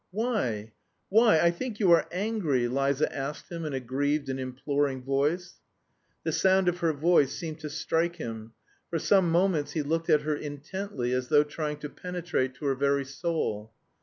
"Why? Why? I think you are angry!" Liza asked him in a grieved and imploring voice. The sound of her voice seemed to strike him; for some moments he looked at her intently, as though trying to penetrate to her very soul.